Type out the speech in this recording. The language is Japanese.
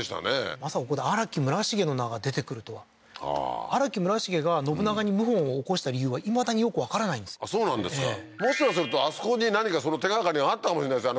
まさかここで荒木村重の名が出てくるとはああー荒木村重が信長に謀反を起こした理由はいまだによくわからないんですそうなんですかもしかするとあそこに何かその手掛かりがあったかもしれないですよ